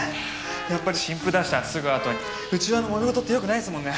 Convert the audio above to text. やっぱり新譜出したすぐあとに内輪の揉め事ってよくないですもんね。